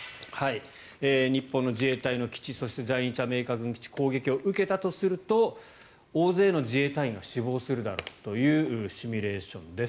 日本の自衛隊の基地そして在日のアメリカ軍基地攻撃を受けたとすると大勢の自衛隊員が死亡するだろうというシミュレーションです。